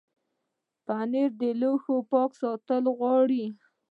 پنېر د لوښو پاک ساتل غواړي.